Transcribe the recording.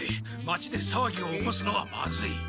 町でさわぎを起こすのはまずい。